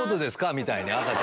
みたいな。